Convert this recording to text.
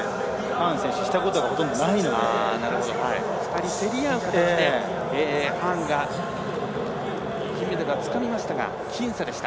２人競り合う形でハーンが金メダルをつかみましたが僅差でした。